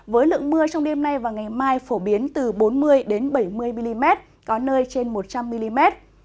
với lượng mưa trong đêm nay và ngày mai phổ biến từ bốn mươi bảy mươi mm có nơi trên một trăm linh mm